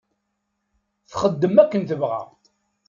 Txeddem akken tebɣa.